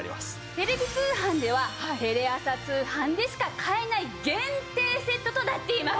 テレビ通販ではテレ朝通販でしか買えない限定セットとなっています。